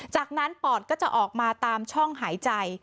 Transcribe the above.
จากนั้นปอดก็จะออกมาตามช่องหายใจ